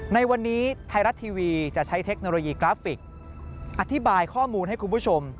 ในวันนี้ไทยรัฐทีวีจะใช้เทคโนโลยีกราฟิกอธิบายข้อมูลให้คุณผู้ชม